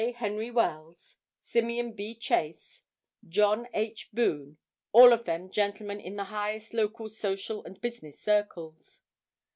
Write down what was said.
Henry Wells, Simeon B. Chase, John H. Boone, all of them gentlemen in the highest local social and business circles.